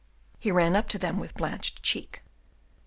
He ran up to them with blanched cheek.